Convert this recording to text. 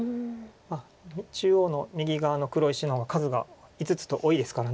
中央の右側の黒石の方が数が５つと多いですから。